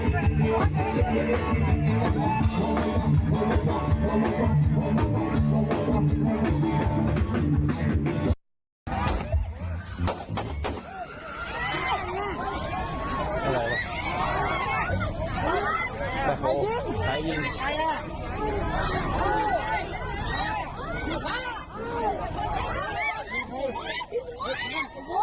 ใครยิ่งใครยิ่ง